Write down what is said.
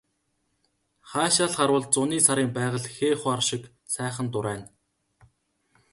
Хаашаа л харвал зуны сарын байгаль хээ хуар шиг сайхан дурайна.